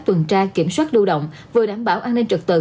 tuần tra kiểm soát lưu động vừa đảm bảo an ninh trật tự